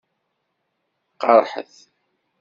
Qeṛṛḥet.